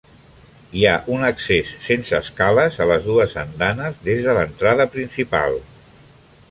Hi ha un accés sense escales a les dues andanes des de l'entrada principal.